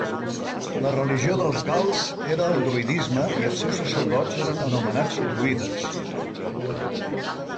La religió dels gals era el druïdisme i els seus sacerdots eren anomenats druides.